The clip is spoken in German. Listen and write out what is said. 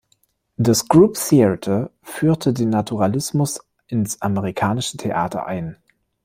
Das "Group Theatre" führte den Naturalismus ins amerikanische Theater ein.